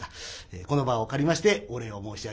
この場を借りましてお礼を申し上げます。